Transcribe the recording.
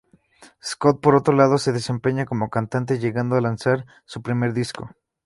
Scott, por otro lado se desempeña como cantante, llegando a lanzar su primer disco.